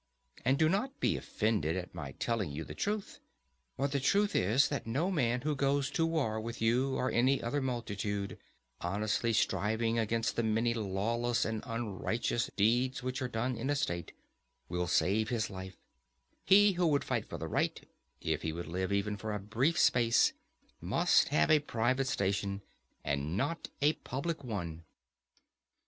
And do not be offended at my telling you the truth: for the truth is, that no man who goes to war with you or any other multitude, honestly striving against the many lawless and unrighteous deeds which are done in a state, will save his life; he who will fight for the right, if he would live even for a brief space, must have a private station and not a public one.